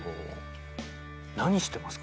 何してますか？